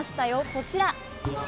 こちら。